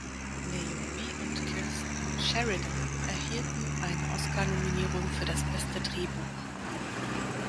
Naomi und Kirsten Sheridan erhielten eine Oscar-Nominierung für das Beste Drehbuch.